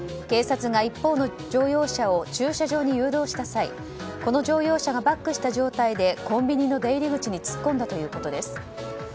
警察が一方の乗用車を駐車場に誘導した際この乗用車がバックした状態でコンビニの出入り口に突っ込んだということです。